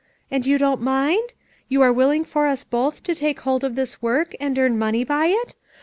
And you don't mind? You are willing for us both to take hold of this work and earn money by it?